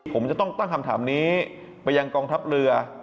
ผมจะต้องตั้งคำถามนี้ไปยังกองทัพเรือ